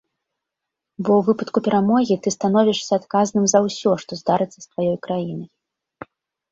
Бо ў выпадку перамогі ты становішся адказным за ўсё, што здарыцца з тваёй краінай.